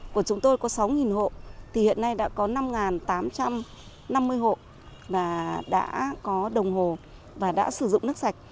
của chúng tôi có sáu hộ thì hiện nay đã có năm tám trăm năm mươi hộ đã có đồng hồ và đã sử dụng nước sạch